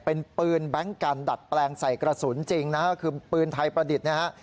เป็นปืนแบงค์กันดัดแปลงใส่กระสุนจริงนะฮะคือปืนไทยประดิษฐ์นะฮะ